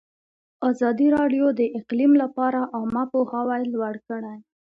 ازادي راډیو د اقلیم لپاره عامه پوهاوي لوړ کړی.